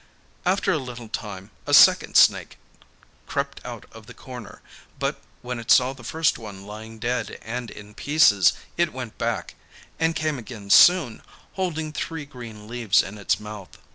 After a little time a second snake crept out of the corner, but when it saw the first one lying dead and in pieces it went back and came again soon, holding three green leaves in its mouth.